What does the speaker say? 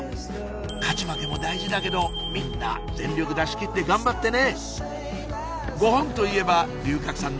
勝ち負けも大事だけどみんな全力出しきって頑張ってね！